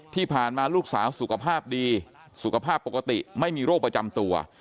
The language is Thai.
ที่ผ่านมาลูกสาวสุขภาพดีสุขภาพปกติไม่มีโรคประจำตัว